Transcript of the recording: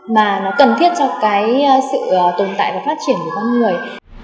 mà nó cần thiết cho cái sự tồn tại và phát triển của con người